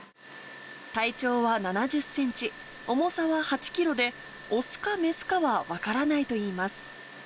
体長は７０センチ、重さは８キロで、雄か雌かは分からないといいます。